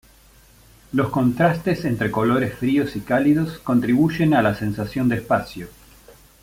Los contrastes entre colores fríos y cálidos contribuyen a la sensación de espacio.